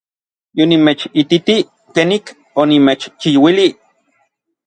Yonimechititij kenik onimechchiuilij.